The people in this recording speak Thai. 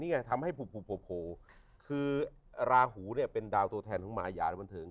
นี่ไงทำให้โผล่โผล่คือราหูเนี่ยเป็นดาวตัวแทนทุกข์มายานะครับคุณพ่อครับ